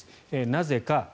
なぜか。